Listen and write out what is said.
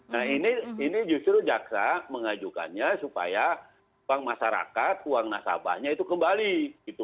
nah ini justru jaksa mengajukannya supaya uang masyarakat uang nasabahnya itu kembali